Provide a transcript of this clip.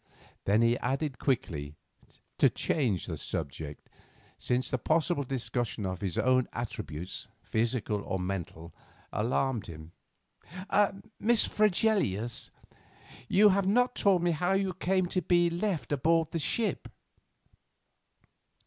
Then he added quickly, to change the subject, since the possible discussion of his own attributes, physical or mental, alarmed him, "Miss Fregelius, you have not told me how you came to be left aboard the ship."